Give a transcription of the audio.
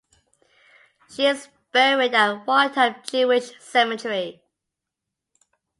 She is buried at Waldheim Jewish Cemetery.